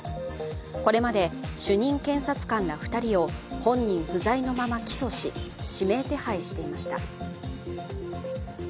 これまで主任検察官ら２人を本人不在のまま起訴し、指名手配していました。